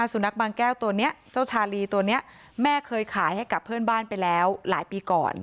สุนัขบางแก้วตัวนี้เจ้าชาลีตัวนี้แม่เคยขายให้กับเพื่อนบ้านไปแล้วหลายปีก่อน